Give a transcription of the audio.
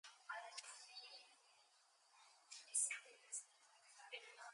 Nowadays tourism is also getting more important.